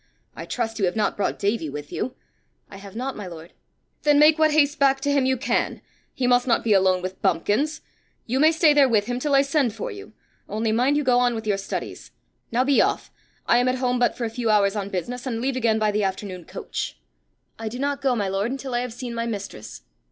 I trust you have not brought Davie with you?" "I have not, my lord." "Then make what haste back to him you can. He must not be alone with bumpkins! You may stay there with him till I send for you only mind you go on with your studies. Now be off. I am at home but for a few hours on business, and leave again by the afternoon coach!" "I do not go, my lord, until I have seen my mistress."